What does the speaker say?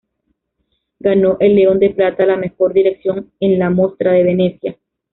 Ganó el León de Plata a la mejor dirección en la Mostra de Venecia.